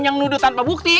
yang nuduh tanpa bukti